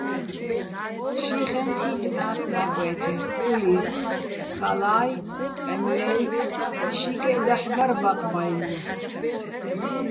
ში ხეჼ თიტნა́ს ნაკვე́თე ხკული́ხ, სხალაჲ, ტყემლე́ჲ, შიკეჸ დაჰ̦ ბარ ბაყბაჲლნო̆.